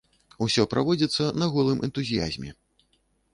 Усё праводзіцца на голым энтузіязме.